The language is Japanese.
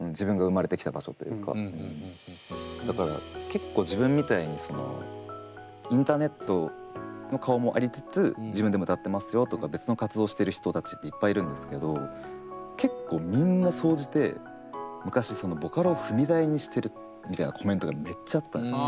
だから結構自分みたいにインターネットの顔もありつつ自分でも歌ってますよとか別の活動をしている人たちっていっぱいいるんですけど結構みんな総じて昔ボカロを踏み台にしてるみたいなコメントがめっちゃあったんですよ。